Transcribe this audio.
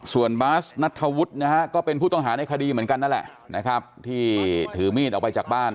ส่วนบาสนัทธวุฒินะฮะก็เป็นผู้ต้องหาในคดีเหมือนกันนั่นแหละนะครับที่ถือมีดออกไปจากบ้าน